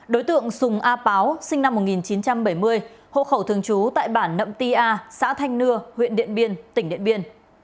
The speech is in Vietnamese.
đối tượng sùng a páo sinh năm một nghìn chín trăm bảy mươi hộ khẩu thường trú tại bản nậm ti a xã thanh nưa huyện điện biên tỉnh điện biên